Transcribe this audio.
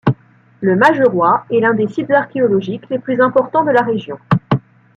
Le Mageroy est l'un des sites archéologiques les plus importants de la région.